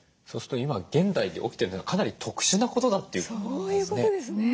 そうすると今現代で起きてるのはかなり特殊なことだっていうことですね。